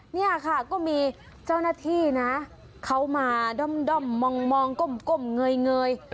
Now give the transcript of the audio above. เนี่ยค่ะก็มีเจ้าหน้าที่นะเขามาด้อมมองก้มเงย